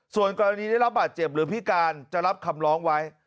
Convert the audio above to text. ส่วนกรณีได้รับบาดเจ็บหรือพิการจะรับคำร้องไว้